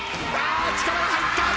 力が入った。